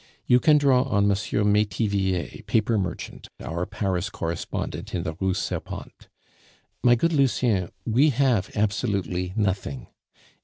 You can draw on M. Metivier, paper merchant, our Paris correspondent in the Rue Serpente. My good Lucien, we have absolutely nothing.